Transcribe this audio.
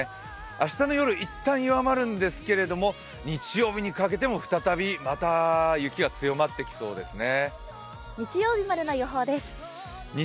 明日の夜、いったん弱まるんですけれども日曜日にかけても再びまた雪が強まっていきそうですね。